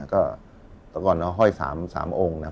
ก็ตอนก่อนเราห้อย๓องค์นะฮะ